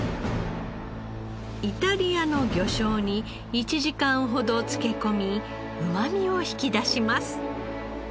イタリアの魚醤に１時間ほど漬け込みうまみを引き出します。